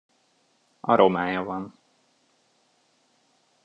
Aromája van.